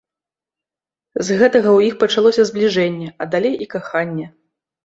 З гэтага ў іх пачалося збліжэнне, а далей і каханне.